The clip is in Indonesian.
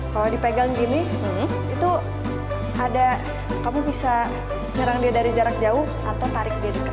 kalau dipegang dimy itu ada kamu bisa nyerang dia dari jarak jauh atau tarik dim